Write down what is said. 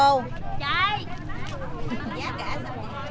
trời ơi giá cả sao vậy